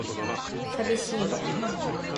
寂しい